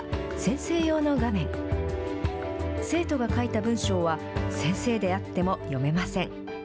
生徒が書いた文章は、先生であっても読めません。